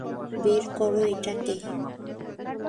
বের করো এটাকে!